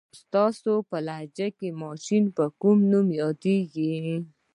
ستاسو په لهجه کې ماشې په کوم نوم یادېږي؟